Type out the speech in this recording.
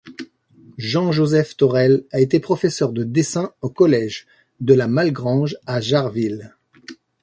Jean-Joseph Thorelle a été professeur de dessin au collège de La Malgrange à Jarville.